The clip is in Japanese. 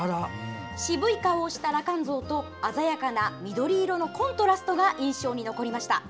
渋い顔をした羅漢像と鮮やかな緑色のコントラストが印象に残りました。